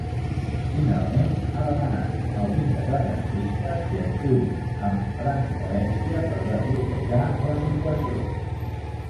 Finalment, ha demanat als independentistes que actuïn amb transparència per desbloquejar la situació.